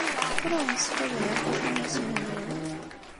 Ur awen-ssfadayeɣ tifunasin-nwen.